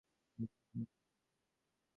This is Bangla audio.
মেস্টালিস্টর সঙ্গে সঙ্গে তা বুঝতে পারবে।